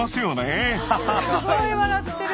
すごい笑ってる！